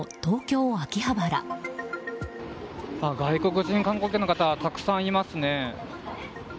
外国人観光客の方たくさんいますね。